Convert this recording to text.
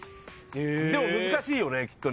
でも難しいよねきっと。